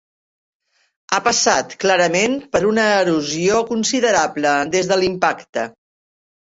Ha passat clarament per una erosió considerable des de l'impacte.